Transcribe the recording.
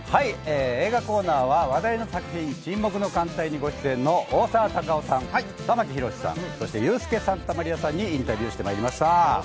映画コーナーは話題の作品「沈黙の艦隊」にご出演の大沢たかおさん、玉木宏さん、そしてユースケ・サンタマリアさんにインタビューしてきました。